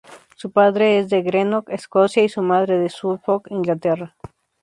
Su padre es de Greenock, Escocia, y su madre de Suffolk, Inglaterra.